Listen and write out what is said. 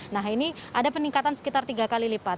nah ini ada peningkatan sekitar tiga kali lipat